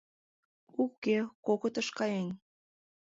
— Уке, кокытыш каен.